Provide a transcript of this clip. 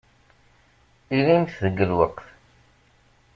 Ilimt deg lweqt.